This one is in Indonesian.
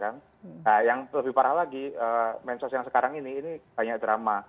nah yang lebih parah lagi mensos yang sekarang ini ini banyak drama